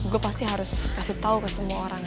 gue pasti harus kasih tahu ke semua orang